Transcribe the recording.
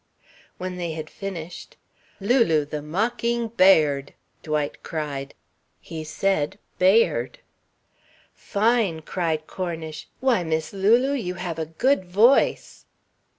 When they had finished, "Lulu the mocking bird!" Dwight cried. He said "ba ird." "Fine!" cried Cornish. "Why, Miss Lulu, you have a good voice!"